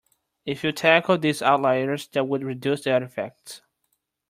If you tackled these outliers that would reduce the artifacts.